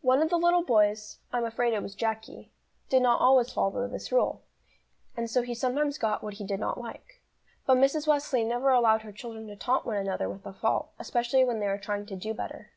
One of the little boys I'm afraid it was Jacky did not always follow this rule, and so he sometimes got what he did not like. But Mrs. Wesley never allowed her children to taunt one another with a fault, especially when they were trying to do better.